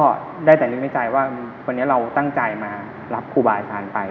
ก็ได้แต่นึกในใจว่าวันนี้เราตั้งใจมารับครูบาอาจารย์ไป